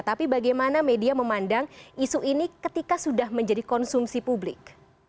tapi bagaimana media memandang isu ini ketika sudah menjadi konsumsi publik